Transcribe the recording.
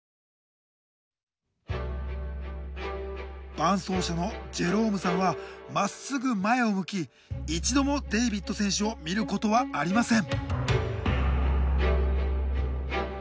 伴走者のジェロームさんはまっすぐ前を向き一度もデイビッド選手を見ることはありません。